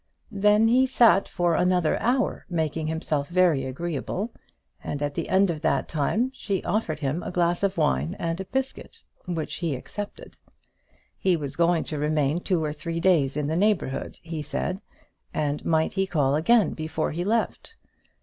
Then he sat for another hour, making himself very agreeable, and at the end of that time she offered him a glass of wine and a biscuit, which he accepted. He was going to remain two or three days in the neighbourhood, he said, and might he call again before he left?